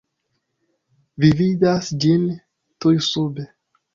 Vi vidas ĝin tuj sube.